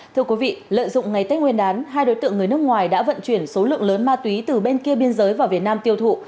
thưa quý vị lợi dụng ngày tết nguyên đán hai đối tượng người nước ngoài đã vận chuyển số lượng lớn ma túy từ bên kia biên giới vào việt nam tiêu thụ